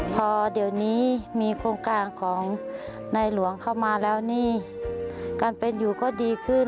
พอเดี๋ยวนี้มีโครงการของในหลวงเข้ามาแล้วนี่การเป็นอยู่ก็ดีขึ้น